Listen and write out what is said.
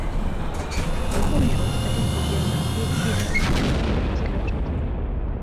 Velkou měrou se také podílel na architektuře dnes již zaniklého židovského hřbitova.